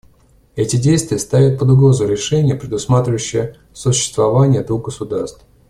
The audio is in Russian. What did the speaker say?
Эти действия ставят под угрозу решение, предусматривающее сосуществование двух государств.